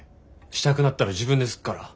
したくなったら自分ですっから。